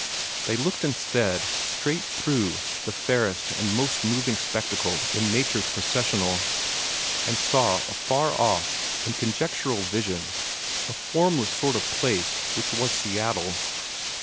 They looked instead straight through the fairest and most moving spectacle in nature's processional, and saw afar off, in conjectural vision, a formless sort of place which was Seattle.